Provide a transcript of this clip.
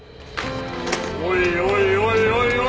おいおいおい。